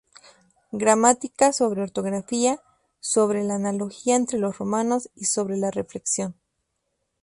Gramática: "Sobre ortografía", "Sobre la analogía entre los romanos" y "Sobre la flexión".